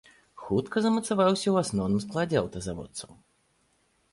Хутка замацаваўся ў асноўным складзе аўтазаводцаў.